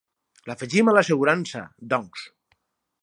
L'afegim a l'assegurança doncs.